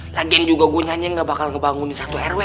lagian juga gue nyanyi nggak bakal ngebangun di satu rw